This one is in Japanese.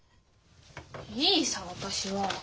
いいさ私は。